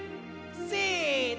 せの！